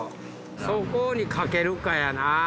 そこに懸けるかやなぁ。